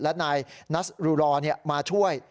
และนายนัสรูรอมาช่วย